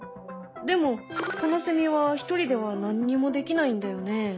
でもこのセミは一人では何にもできないんだよね。